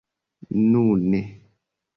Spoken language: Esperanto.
nune